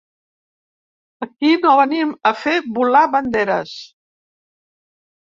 Aquí no venim a fer volar banderes.